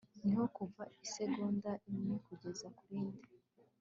niho kuva isegonda imwe kugeza kurindi